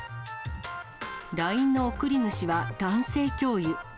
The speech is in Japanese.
ＬＩＮＥの送り主は男性教諭。